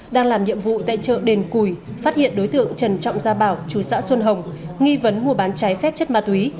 đang làm nhiệm vụ tại chợ đền cùi phát hiện đối tượng trần trọng gia bảo chú xã xuân hồng nghi vấn mua bán trái phép chất ma túy